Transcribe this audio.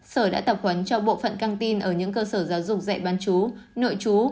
sở đã tập huấn cho bộ phận căng tin ở những cơ sở giáo dục dạy bán chú nội chú